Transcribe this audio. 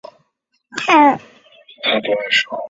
如此刻骨铭心